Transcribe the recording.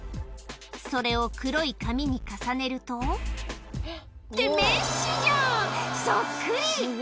それを黒い紙に重ねるとってメッシじゃんそっくり！